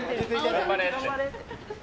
頑張れ。